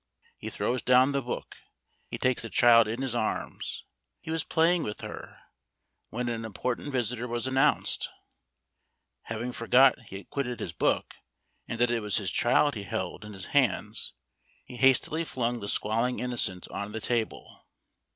He throws down the book; he takes the child in his arms. He was playing with her, when an important visitor was announced. Having forgot he had quitted his book, and that it was his child he held in his hands, he hastily flung the squalling innocent on the table.